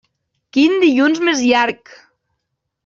Quin dilluns més llarg!